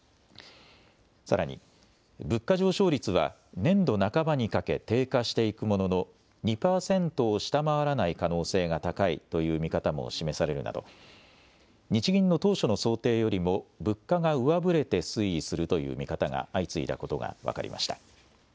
さらに、物価上昇率は、年度半ばにかけ低下していくものの、２％を下回らない可能性が高いという見方も示されるなど、日銀の当初の想定よりも物価が上振れて推移するという見方が相次いだことが分かりました。